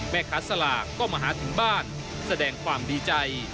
แม่ค้าสลากก็มาหาถึงบ้านแสดงความดีใจ